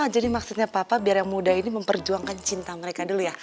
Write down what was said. jadi maksudnya papa biar yang muda ini memperjuangkan cinta mereka dulu ya